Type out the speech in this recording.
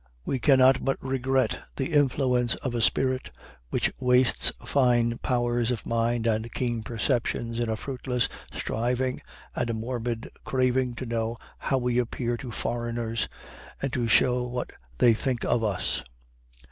We cannot but regret the influence of a spirit which wastes fine powers of mind and keen perceptions in a fruitless striving and a morbid craving to know how we appear to foreigners, and to show what they think of us.